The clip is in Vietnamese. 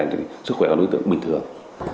thì sức khỏe của đối tượng bình thường